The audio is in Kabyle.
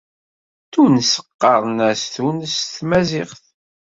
Tunes qqaren-as Tunes s tmaziɣt.